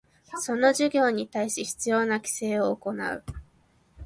その事業に対し必要な規制を行う